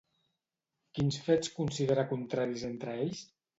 Quins fets considera contraris entre ells?